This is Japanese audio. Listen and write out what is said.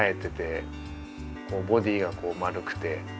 ボディーがこう丸くて。